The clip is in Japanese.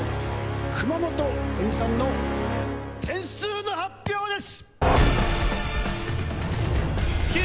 熊本エミさんの点数の発表です！